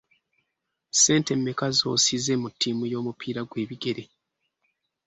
Ssente mmeka z'osize mu ttiimu y'omupiira gw'ebigere ?